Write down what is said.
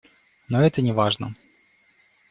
Но это не важно.